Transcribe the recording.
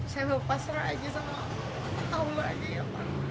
saya lupa serah aja sama apa tau lu aja ya pak